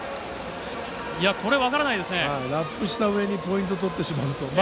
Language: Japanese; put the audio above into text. ラップしたうえに、ポイント取ってしまうとね。